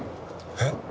えっ？